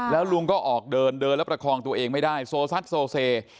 แล้วลุงก็ออกเดินเดินแล้วประคองตัวเองไม่ได้โซซัดโซเซ